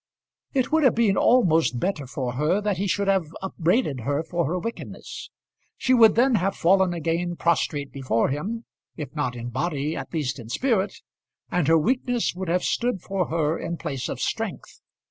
It would have been almost better for her that he should have upbraided her for her wickedness. She would then have fallen again prostrate before him, if not in body at least in spirit, and her weakness would have stood for her in place of strength.